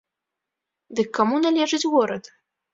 Дык каму належыць горад?